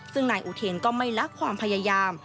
ซึ่งนายอุเทนก็ไม่ลักความพยายาม